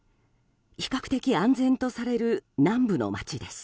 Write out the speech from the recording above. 比較的安全とされる南部の街です。